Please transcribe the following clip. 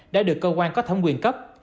đã được cơ quan có thẩm quyền cấp